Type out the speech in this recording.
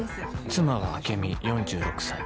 妻は朱美４６歳。